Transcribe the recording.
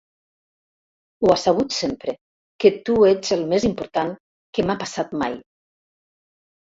Ho ha sabut sempre, que tu ets el més important que m'ha passat mai.